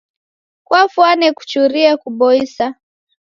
Kwafwane kuchurie kuboisa.